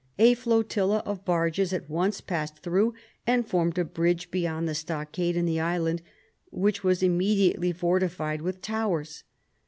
A flotilla of barges at once passed through and formed a bridge beyond the stockade and the island, which was immediately fortified with towers.